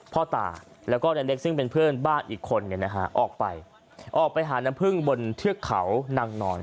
พ่อตาและได้เล็กซึ่งส์เพื่อนบ้านออกไปออกไปหาน้ำพื้งบนเทือกเขานางนอน